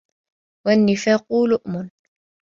وَالنِّفَاقُ لُؤْمٌ